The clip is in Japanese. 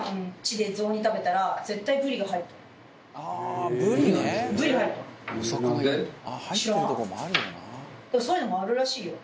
でもそういうのもあるらしいよ。